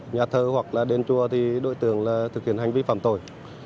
nhà thờ hoặc là đền chùa thì đối tượng là thực hiện hành vi phạm tội